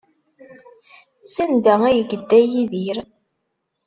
Sanda ay yedda Yidir?